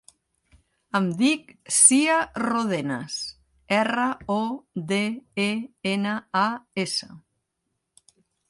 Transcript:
Em dic Sia Rodenas: erra, o, de, e, ena, a, essa.